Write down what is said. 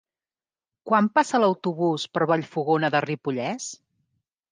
Quan passa l'autobús per Vallfogona de Ripollès?